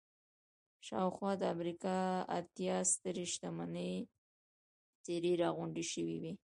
شاوخوا د امريکا اتيا سترې شتمنې څېرې را غونډې شوې وې.